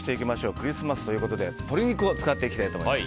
クリスマスということで鶏肉を使っていきたいと思います。